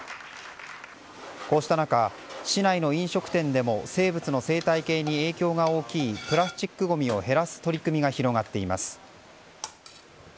こうした中、市内の飲食店でも生物の生態系に影響が大きいプラスチックごみを減らす取り組みが広がっています。